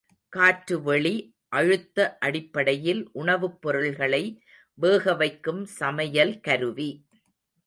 காற்றுவெளி அழுத்த அடிப்படையில் உணவுப் பொருள்களை வேகவைக்கும் சமையல் கருவி.